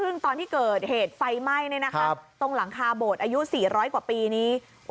ซึ่งตอนที่เกิดเหตุไฟไหม้ตรงหลังคาโบดอายุ๔๐๐กว่าปีนี้